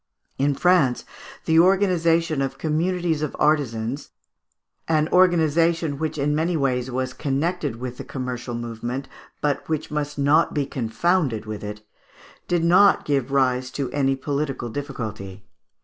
In France the organization of communities of artisans, an organization which in many ways was connected with the commercial movement, but which must not be confounded with it, did not give rise to any political difficulty.